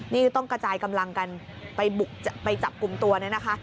นี่ต้องกระจายกำลังกันไปบุกไปจับกลุ่มตัวเนี่ยนะคะ